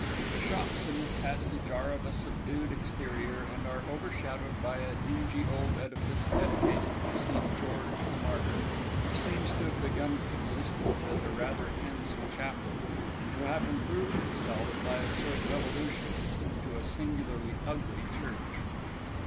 The shops in this passage are of a subdued exterior, and are overshadowed by a dingy old edifice dedicated to St. George the Martyr, which seems to have begun its existence as a rather handsome chapel, and to have improved itself, by a sort of evolution, into a singularly ugly church.